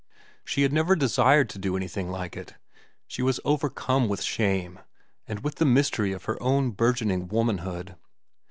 She had never desired to do anything like it. She was overcome with shame and with the mystery of her own burgeoning womanhood.